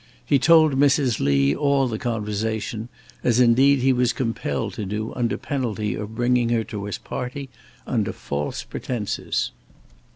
He told Mrs. Lee all the conversation, as indeed he was compelled to do under penalty of bringing her to his party under false pretences.